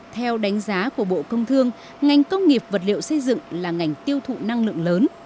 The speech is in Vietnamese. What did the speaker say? theo đánh giá của bộ công thương ngành công nghiệp vật liệu xây dựng là ngành tiêu thụ năng lượng lớn